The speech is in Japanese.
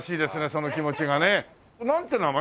その気持ちがね。なんて名前？